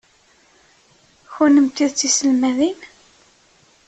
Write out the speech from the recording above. Kennemti d tiselmadin?